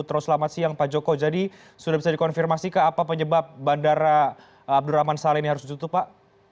terus selamat siang pak joko jadi sudah bisa dikonfirmasi ke apa penyebab bandara abdurrahman saleh ini harus ditutup pak